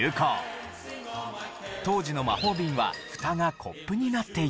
当時の魔法瓶はふたがコップになっていて。